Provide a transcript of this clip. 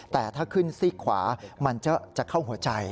แต่ถ้าขึ้นซีกขวามันจะเข้าหัวใจ